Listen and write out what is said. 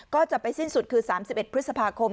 ก็จะไปสิ้นสุดคือ๓๑พฤษภาคม